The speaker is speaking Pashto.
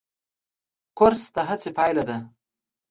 کورس د هڅې پایله ده.